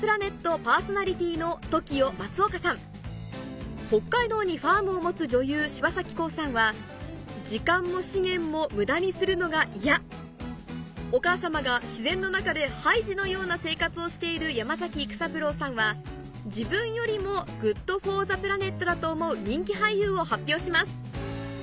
パーソナリティーの北海道にファームを持つ女優は時間も資源も無駄にするのが嫌お母様が自然の中でハイジのような生活をしている山崎育三郎さんは自分よりもＧｏｏｄＦｏｒｔｈｅＰｌａｎｅｔだと思う人気俳優を発表します